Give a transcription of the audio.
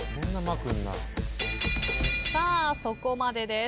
さあそこまでです。